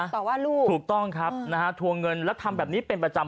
ต่อว่าลูกถูกต้องครับนะฮะทวงเงินแล้วทำแบบนี้เป็นประจำ